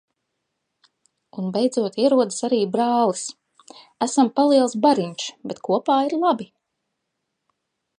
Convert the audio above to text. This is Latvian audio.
Un beidzot ierodas arī brālis. Esam paliels bariņš, bet kopā ir labi.